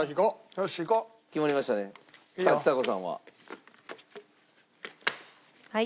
さあちさ子さんは。